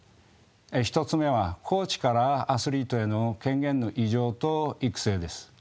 １つ目はコーチからアスリートへの権限の委譲と育成です。